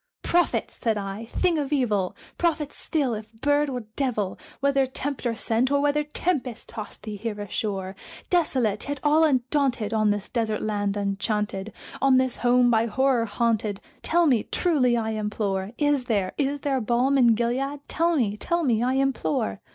"Prophet!" said I, "thing of evil! prophet still, if bird or devil! Whether Tempter sent, or whether tempest tossed thee here ashore, Desolate yet all undaunted, on this desert land enchanted On this home by Horror haunted tell me truly, I implore Is there is there balm in Gilead? tell me tell me, I implore!"